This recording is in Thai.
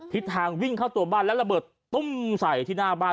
ทิศทางวิ่งเข้าตัวบ้านแล้วระเบิดตุ้มใส่ที่หน้าบ้าน